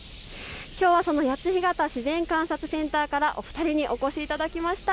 きょうはその谷津干潟自然観察センターからお二人にお越しいただきました。